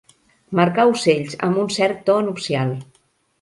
Marcar ocells amb un cert to nupcial.